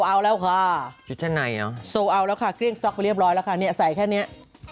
เราเราวังให้เสียบ้างละก็เลี่ยบร้อยอ่าเนี้ยใส่แค่เนี้ย